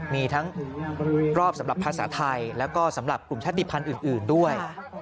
มีทั้งรอบสำหรับภาษาไทยแล้วก็สำหรับกลุ่มชาติภัณฑ์อื่นด้วย